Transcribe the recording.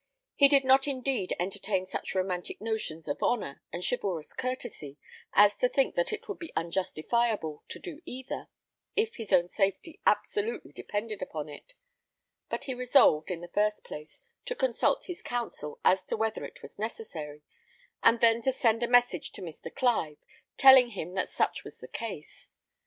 He did not indeed entertain such romantic notions of honour and chivalrous courtesy, as to think that it would be unjustifiable to do either, if his own safety absolutely depended upon it; but he resolved, in the first place, to consult his counsel as to whether it was necessary, and then to send a message to Mr. Clive, telling him that such was the case.